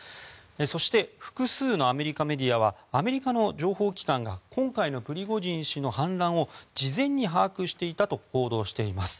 そして複数のアメリカメディアはアメリカの情報機関が今回のプリゴジン氏の反乱を事前に把握していたと報道しています。